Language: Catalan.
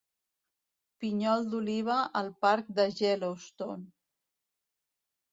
Pinyol d'oliva al parc de Yellowstone.